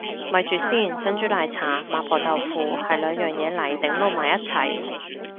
咪住先，珍珠奶茶麻婆豆腐係兩樣嘢嚟定撈埋一齊